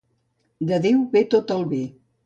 De Déu ve tot el bé.